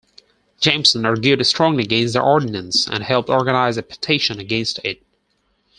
Jameson argued strongly against the ordinance, and helped organize a petition against it.